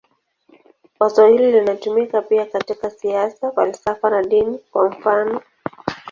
Wazo hilo linatumika pia katika siasa, falsafa na dini, kwa mfanof.